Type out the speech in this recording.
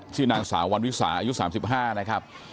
ชื่อนั่งสาววันวิศาสิ่งอายุสามสิบห้านะครับ